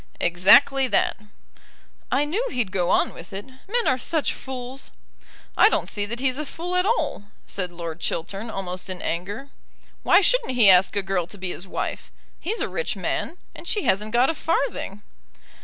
"Exactly that." "I knew he'd go on with it. Men are such fools." "I don't see that he's a fool at all;" said Lord Chiltern, almost in anger. "Why shouldn't he ask a girl to be his wife? He's a rich man, and she hasn't got a farthing."